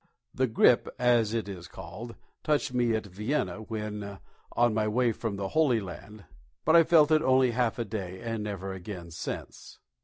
The "grippe," as it is called, touched me at Vienna when on my way from the Holy Land, but I felt it only half a day, and never again since.